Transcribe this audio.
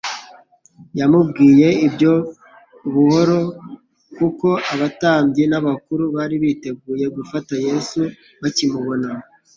Yamubwiye lbyo buhoro kuko abatambyi n'abakuru bari biteguye gufata Yesu bakimubona.